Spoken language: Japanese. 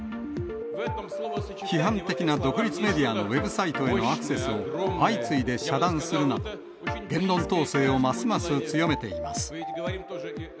批判的な独立メディアのウェブサイトへのアクセスを相次いで遮断するなど、言論統制をますます強めています。